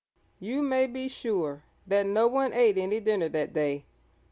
You may be sure that no one ate any dinner that day.